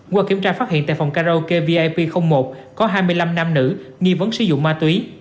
qua kiểm tra phát hiện tại phòng karaokevip một có hai mươi năm nam nữ nghi vấn sử dụng ma túy